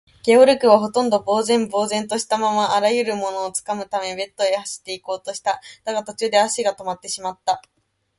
ゲオルクは、ほとんど呆然ぼうぜんとしたまま、あらゆるものをつかむためベッドへ走っていこうとした。だが、途中で足がとまってしまった。